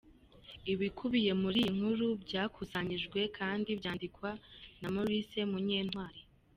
Ibikibiye muri iyi nkuru byakusanyijwe kandi byandikwa na Maurice Munyentwali.